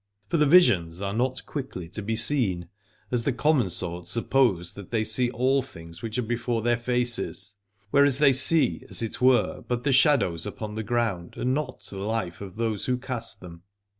For the visions are not quickly to be seen, as the common sort suppose that they see all things which are before their faces : whereas they see, as it were, but the shadows upon the ground and not the life of those who cast them.